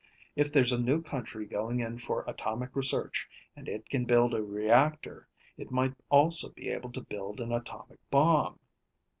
If there's a new country going in for atomic research, and it can build a reactor, it might also be able to build an atomic bomb.